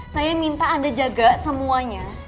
saya minta anda jaga semuanya